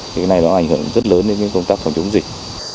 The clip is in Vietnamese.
thì cái này nó ảnh hưởng rất lớn đến công tác phòng chống dịch